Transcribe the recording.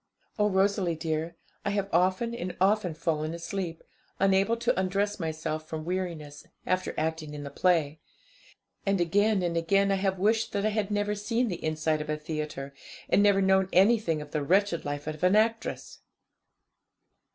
Oh, Rosalie dear, I have often and often fallen asleep, unable to undress myself from weariness, after acting in the play; and again and again I have wished that I had never seen the inside of a theatre, and never known anything of the wretched life of an actress!